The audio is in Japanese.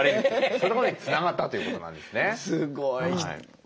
それまでにつながったということなんですね。